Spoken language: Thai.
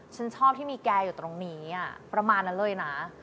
ฉันชอบที่มีแกอยู่ตรงนี้ประมาณนั้นเลยนะ